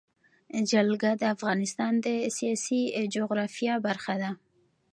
جلګه د افغانستان د سیاسي جغرافیه برخه ده.